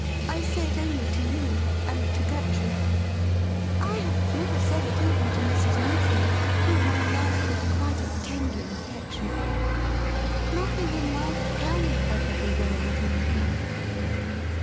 I say it only to you — and to Gertrude ; I have never said it even t6 Mrs. Morefield, whom I love with quite a tender affection. Nothing in life can ever be well with me again.'